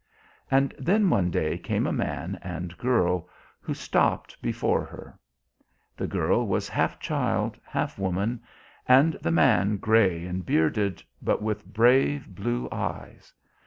And then one day came a man and girl, who stopped before her. The girl was half child, half woman, and the man grey and bearded, but with brave blue eyes.